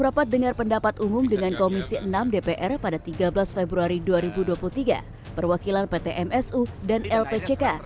rapat dengar pendapat umum dengan komisi enam dpr pada tiga belas februari dua ribu dua puluh tiga perwakilan pt msu dan lpck